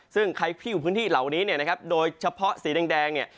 ซึ่งใครที่อยู่พื้นที่เหล่านี้เนี่ยนะครับโดยเฉพาะสีแดงเนี่ย